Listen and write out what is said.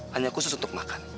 hanya khusus untuk makan